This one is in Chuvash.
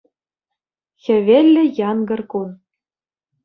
Хӗвеллӗ янкӑр кун.